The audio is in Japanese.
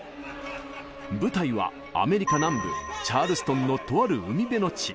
舞台はアメリカ南部チャールストンのとある海辺の地。